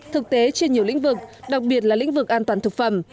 thực tế trên nhiều lĩnh vực đặc biệt là lĩnh vực an toàn thực phẩm